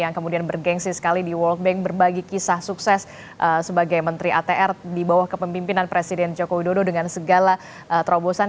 yang kemudian bergengsi sekali di world bank berbagi kisah sukses sebagai menteri atr di bawah kepemimpinan presiden joko widodo dengan segala terobosan